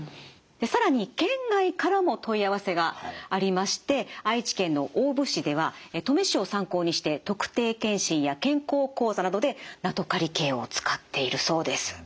更に県外からも問い合わせがありまして愛知県の大府市では登米市を参考にして特定健診や健康講座などでナトカリ計を使っているそうです。